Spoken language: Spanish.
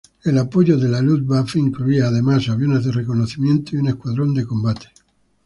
Apoyo de la Luftwaffe incluía además aviones de reconocimiento y un escuadrón de combate.